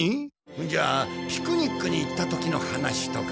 じゃあピクニックに行った時の話とか。